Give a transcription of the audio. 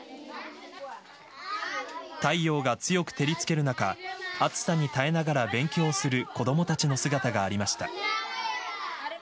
太陽が強く照りつける中暑さに耐えながら勉強する子どもたちの姿がありました。